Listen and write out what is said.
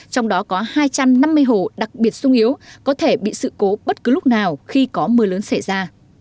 trong đó có hai trăm năm mươi hồ đặc biệt sung yếu có thể bị sự cố bất cứ lúc nào khi có mưa lớn xảy ra